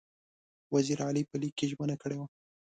وزیر علي په لیک کې ژمنه کړې وه.